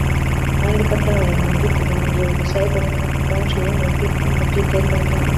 kandi ko atabaye impunzi kuva mu ijuru gusa, ariko ko ku bwacu yemeye kwitanga by’iteka ryose.